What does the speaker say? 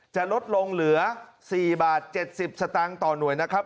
จะลดลงเหลือ๔บาท๗๐สตางค์ต่อหน่วยนะครับ